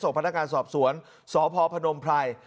ส่งพันธการสอบสวนสพพนมพลาย